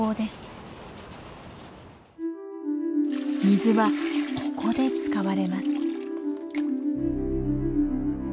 水はここで使われます。